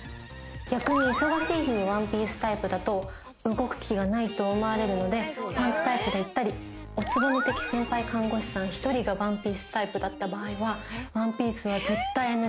逆に忙しい日にワンピースタイプだと動く気がないと思われるのでパンツタイプで行ったりお局的先輩看護師さん１人がワンピースタイプだった場合はワンピースは絶対ＮＧ。